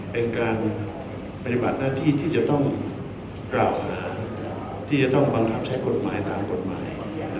เป็นการปฏิบัติหน้าที่ที่จะต้องกล่าวหาที่จะต้องบังคับใช้กฎหมายตามกฎหมาย